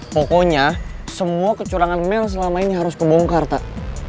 pokoknya semua kecurangan mel selama ini harus kebongkar pak